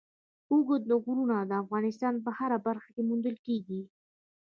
اوږده غرونه د افغانستان په هره برخه کې موندل کېږي.